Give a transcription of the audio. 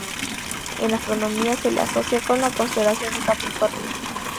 En astronomía se la asocia con la constelación de Capricornio.